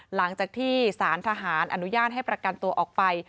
หลังจากที่สารทหารอนุญาตให้ประกันตัวออกไป